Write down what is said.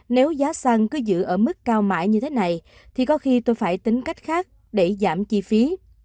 nếu giá xăng cứ giữ ở mức cao mãi như thế này thì có khi tôi phải tính cách khác để giảm chi phí